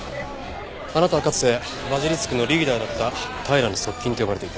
あなたはかつてバジリスクのリーダーだった平良の側近と呼ばれていた。